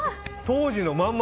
当時の？